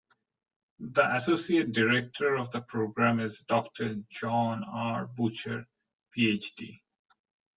The Associate Director of the Program is Doctor John R. Bucher, Ph.D.